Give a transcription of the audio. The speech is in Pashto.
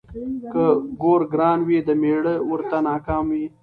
ـ که ګور ګران وي د مړي ورته نه کام وي.